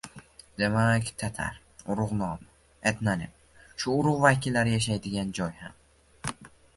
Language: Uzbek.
Demak, tatar – urug‘ nomi, etnonim. Shu urug‘ vakillari yashaydigan joy ham.